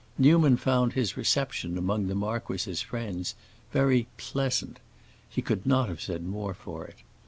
Newman found his reception among the marquis's friends very "pleasant;" he could not have said more for it.